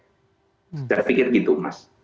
sudah pikir gitu mas